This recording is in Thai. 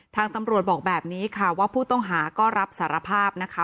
ทางตำรวจบอกแบบนี้ค่ะว่าผู้ต้องหาก็รับสารภาพนะคะ